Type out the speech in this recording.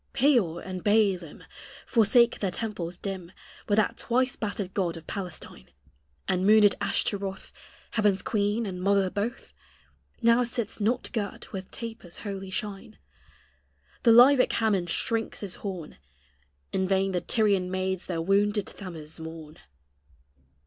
Peor and Baälim Forsake their temples dim, With that twice battered god of Palestine; And moonèd Ashtaroth, Heaven's queen and mother both. Now sits not girt with tapers' holy shine; The Lybic Hammon shrinks his horn In vain the Tyrian maids their wounded Thammuz mourn.